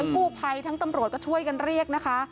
กู้ภัยทั้งตำรวจก็ช่วยกันเรียกนะคะ